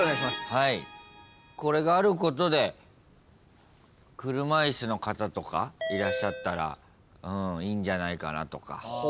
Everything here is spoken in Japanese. これがあることで車いすの方とかいらっしゃったらいいんじゃないかなとか。